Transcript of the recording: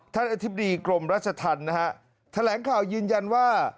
อธิบดีกรมรัชธรรมนะฮะแถลงข่าวยืนยันว่า